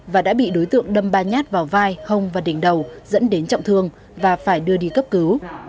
và đã bị đối tượng đâm ba nhát vào vai hông và đỉnh đầu dẫn đến trọng thương và phải đưa đi cấp cứu